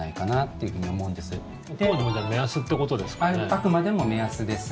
あくまでも目安です。